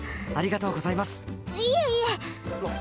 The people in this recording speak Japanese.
いえいえ。